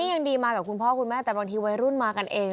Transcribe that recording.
ยังดีมากับคุณพ่อคุณแม่แต่บางทีวัยรุ่นมากันเอง